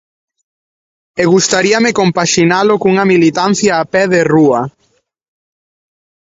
E gustaríame compaxinalo cunha militancia a pé de rúa.